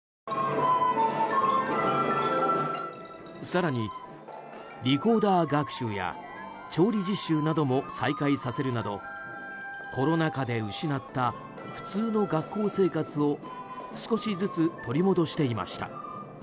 更にリコーダー学習や調理実習なども再開させるなどコロナ禍で失った普通の学校生活を少しずつ取り戻していました。